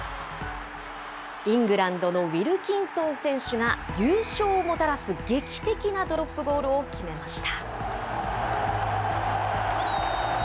イングランドのウィルキンソン選手が優勝をもたらす劇的なドロップゴールを決めました。